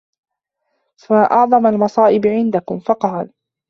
مَا أَعْظَمُ الْمَصَائِبِ عِنْدَكُمْ ؟ فَقَالَ